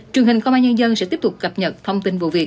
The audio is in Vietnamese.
truyền hình công an nhân dân sẽ tiếp tục cập nhật thông tin vụ việc